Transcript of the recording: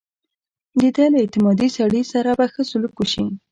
د ده له اعتمادي سړي سره به ښه سلوک وشي.